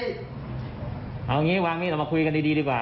เอาอย่างนี้วางมีดออกมาคุยกันดีดีกว่า